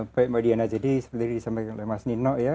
baik mbak diana jadi seperti disampaikan oleh mas nino ya